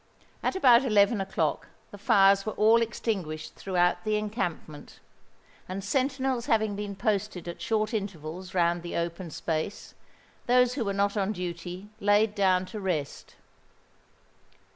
At about eleven o'clock the fires were all extinguished throughout the encampment; and, sentinels having been posted at short intervals round the open space, those who were not on duty laid down to rest.